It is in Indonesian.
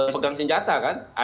pegang senjata kan